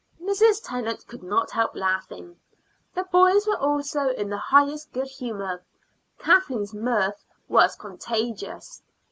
Mrs. Tennant could not help laughing. The boys were also in the highest good humor; Kathleen's mirth was contagious.